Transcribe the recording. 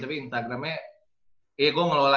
tapi instagramnya eh gue ngelola